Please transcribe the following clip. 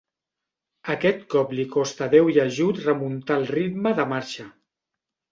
Aquest cop li costà Déu i ajut remuntar el ritme de marxa.